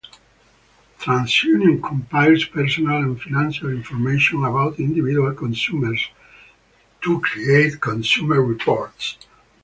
TransUnion compiles personal and financial information about individual consumers to create consumer reports.